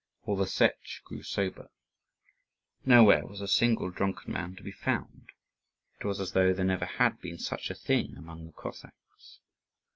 All the Setch grew sober. Nowhere was a single drunken man to be found, it was as though there never had been such a thing among the Cossacks.